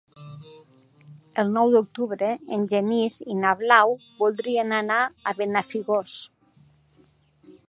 El nou d'octubre en Genís i na Blau voldrien anar a Benafigos.